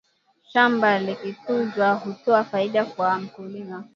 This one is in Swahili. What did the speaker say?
shamba likitunzwa hutoa faida kwa mkulima